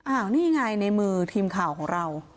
นี่ไงในมือทีมข่าวของเรา